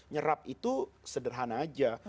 nyerap itu sederhana aja